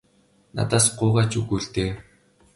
Надаас гуйгаа ч үгүй л дээ.